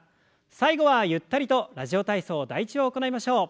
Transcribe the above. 最後はゆったりと「ラジオ体操第１」を行いましょう。